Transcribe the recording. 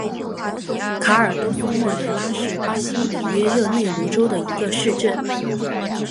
卡尔多苏莫雷拉是巴西里约热内卢州的一个市镇。